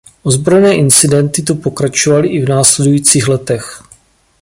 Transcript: Ozbrojené incidenty tu pokračovaly i v následujících letech.